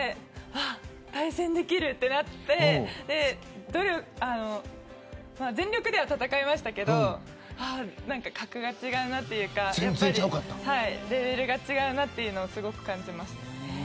対戦できるとなって全力では戦いましたけど格が違うなというかレベルが違うなというのをすごく感じました。